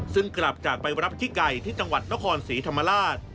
ซึ่งกลับจากไปรับขี้ไก่ที่จังหวัดนครศรีธรรมราช